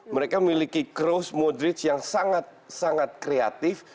mereka memiliki kroos modric yang sangat kreatif